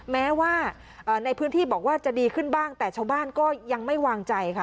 แม้ว่าในพื้นที่บอกว่าจะดีขึ้นบ้างแต่ชาวบ้านก็ยังไม่วางใจค่ะ